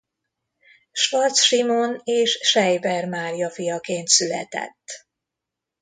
Schwarz Simon és Schreiber Mária fiaként született.